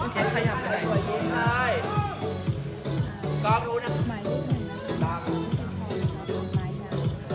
ขยับแม้นนะคะทุกคนอย่าแม้